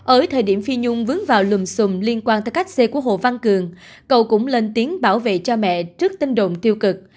ở thời điểm phi nhung vướng vào lùm xùm liên quan tới cách xê của hồ văn cường cậu cũng lên tiếng bảo vệ cho mẹ trước tinh đồn tiêu cực